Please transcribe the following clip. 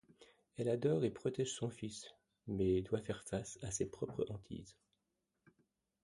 Elle adore et protège son fils, mais doit faire face à ses propres hantises.